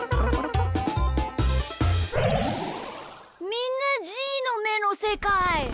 みんなじーのめのせかい。